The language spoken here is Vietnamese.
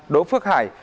đỗ phước hải